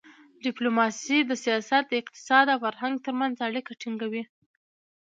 ډیپلوماسي د سیاست، اقتصاد او فرهنګ ترمنځ اړیکه ټینګوي.